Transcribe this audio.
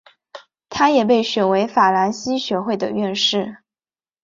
他也被选为法兰西学会的院士。